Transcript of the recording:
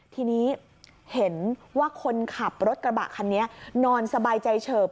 ทีนี้เห็นว่าคนขับรถกระบะคันนี้นอนสบายใจเฉิบ